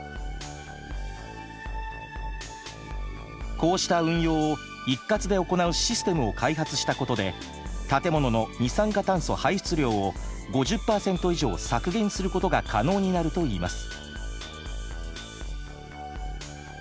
こうした運用を一括で行うシステムを開発したことで建物の二酸化炭素排出量を５０％以上削減することが可能になるといいます。